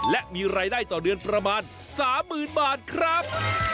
และมีรายได้ต่อเดือนประมาณ๓๐๐๐บาทครับ